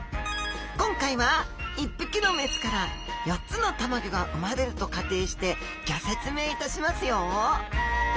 今回は１匹の雌から４つのたまギョが生まれると仮定してギョ説明いたしますよ！